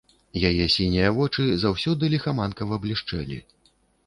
Яе сінія вочы заўсёды ліхаманкава блішчэлі.